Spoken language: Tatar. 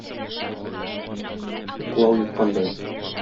Уклау йоткандай.